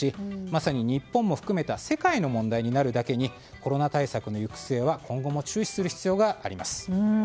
まさに日本も含めた世界の問題になるだけにコロナ対策の行く末は今後も注視する必要があります。